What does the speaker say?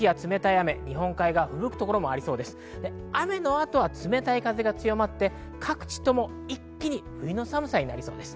雨の後は冷たい風が強まって、各地とも一気に冬の寒さになりそうです。